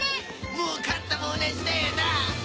もう勝ったも同じだよな。